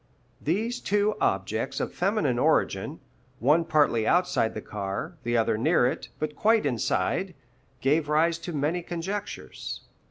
These two objects of feminine origin one partly outside the car, the other near it, but quite inside gave rise to many conjectures.